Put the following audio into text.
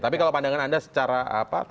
tapi kalau pandangan anda secara apa